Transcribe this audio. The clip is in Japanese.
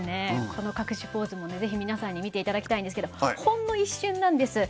この隠しポーズもね是非皆さんに見ていただきたいんですけどほんの一瞬なんです。